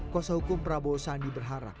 kuasa hukum prabowo sandi berharap